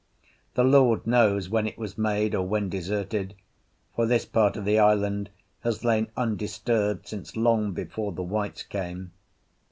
The Lord knows when it was made or when deserted, for this part of the island has lain undisturbed since long before the whites came.